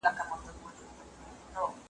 هیله انسان ته ځواک ورکوي.